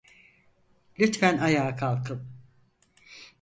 Lütfen ayağa kalkın.